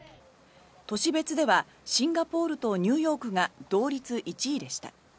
都市別ではシンガポールとニューヨークが同率１位でした。